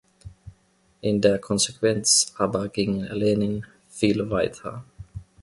In der Konsequenz aber ging Lenin viel weiter.